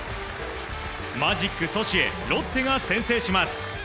マジック阻止へロッテが先制します。